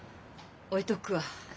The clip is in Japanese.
置いとくわ。